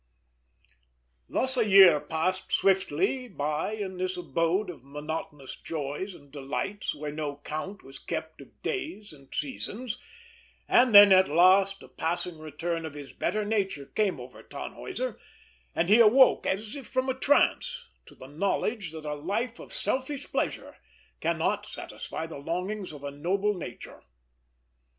Thus, a year passed swiftly by in this abode of monotonous joys and delights, where no count was kept of days and seasons; and then, at last, a passing return of his better nature came over Tannhäuser, and he awoke, as if from a trance, to the knowledge that a life of selfish pleasure cannot satisfy the longings of a noble nature.